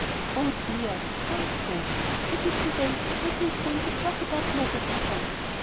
"Oh, dear," groaned Clover. "That is the way that Katy is going to talk about Ned, I suppose.